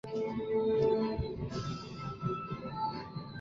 黑盾梭长蝽为长蝽科梭长蝽属下的一个种。